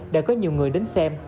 đã có nhiều người đến xem